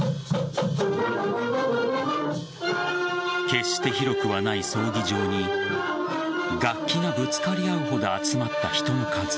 決して広くはない葬儀場に楽器がぶつかり合うほど集まった人の数